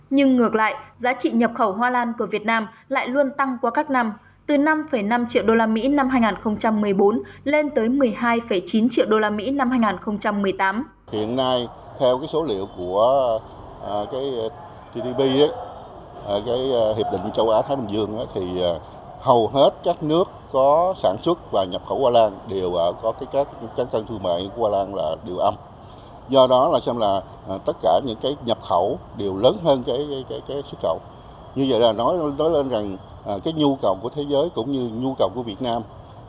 nhưng ngược lại giá trị nhập khẩu hoa lan của việt nam lại luôn tăng qua các năm từ năm năm triệu usd năm hai nghìn một mươi bốn lên tới một mươi hai chín triệu usd năm hai nghìn một mươi tám